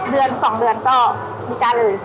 เดือนสองเดือนก็มีกันเลย